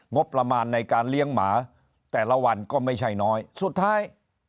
งบประมาณในการเลี้ยงหมาแต่ละวันก็ไม่ใช่น้อยสุดท้าย